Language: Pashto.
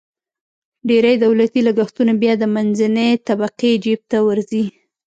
ډېری دولتي لګښتونه بیا د منځنۍ طبقې جیب ته ورځي.